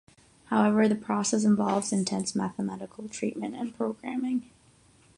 However, the process involves intense mathematical treatment and programming.